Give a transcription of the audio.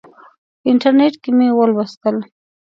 په انټرنیټ کې مې ولوستل.